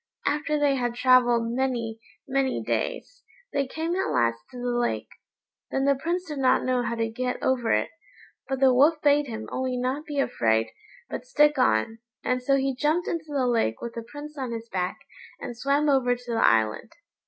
After they had travelled many, many days, they came at last to the lake. Then the Prince did not know how to get over it, but the Wolf bade him only not be afraid, but stick on, and so he jumped into the lake with the Prince on his back, and swam over to the island.